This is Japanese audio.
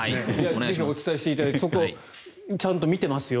お伝えしていただいてそこ、ちゃんと見てますよ。